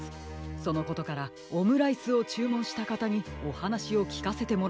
そのことからオムライスをちゅうもんしたかたにおはなしをきかせてもらっているのです。